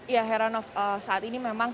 ya heranov saat ini memang